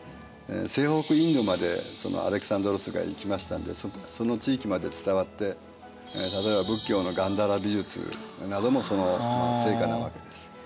西北インドまでアレクサンドロスが行きましたんでその地域まで伝わって例えば仏教のガンダーラ美術などもその成果なわけです。